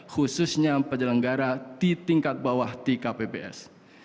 khususnya penyelenggara di tingkat bawah di kpps